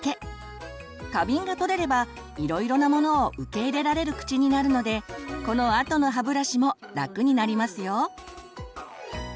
過敏がとれればいろいろなものを受け入れられる口になるのでこのあとの歯ブラシも楽になりますよ。